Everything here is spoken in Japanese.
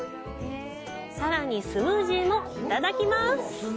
さらに、スムージーもいただきます。